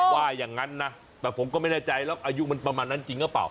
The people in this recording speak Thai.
ว่าอย่างนั้นนะแต่ผมก็ไม่แน่ใจแล้วอายุมันประมาณนั้นจริงหรือเปล่า